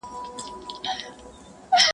خو درد بې ځوابه پاتې کيږي تل,